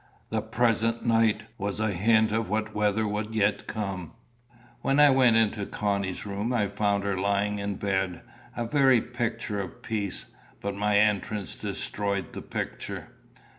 The present night was a hint of what weather would yet come. When I went into Connie's room, I found her lying in bed a very picture of peace. But my entrance destroyed the picture.